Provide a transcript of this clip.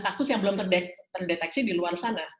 kasus yang belum terdeteksi di luar sana